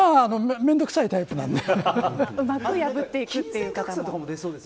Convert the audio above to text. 面倒くさいタイプです。